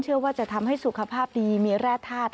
เชื่อว่าจะทำให้สุขภาพดีมีแร่ธาตุ